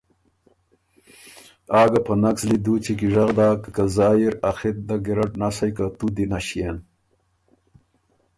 آ ګۀ په نک زلی دُوچی کی ژغ داک که زایٛ اِر ا خِط دَ ګیرډ نسئ که تُوت دی نݭيېن